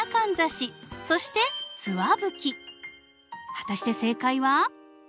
果たして正解は？